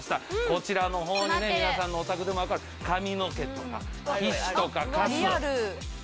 こちらのほうに皆さんのお宅でも分かる髪の毛とか皮脂とかカス。